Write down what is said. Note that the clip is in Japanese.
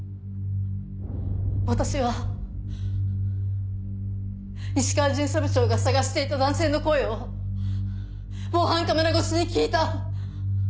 私は石川巡査部長が捜していた男性の声を防犯カメラ越しに聞いた。